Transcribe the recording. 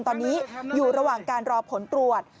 ตอนนี้อยู่ระหว่างการรอผลตรวจ